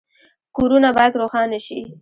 کورونه باید روښانه شي